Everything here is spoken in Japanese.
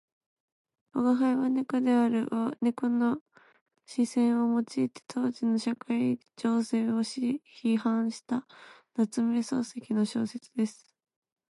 「吾輩は猫である」は猫の視線を用いて当時の社会情勢を批評した夏目漱石の小説です。